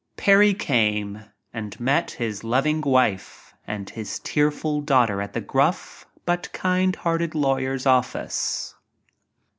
Parry came — and met his loving wife and his tearful daughter at the gruff, but kind hearted law yer's office.